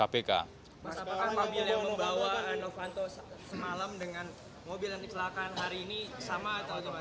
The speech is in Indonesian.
apakah mobil yang membawa novanto semalam dengan mobil yang dikelakan hari ini sama atau pak